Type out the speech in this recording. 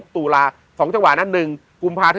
เป็น๒จังหวะมาก